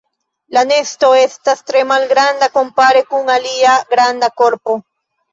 La nesto estas tre malgranda, kompare kun ilia granda korpo.